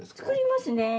作りますね。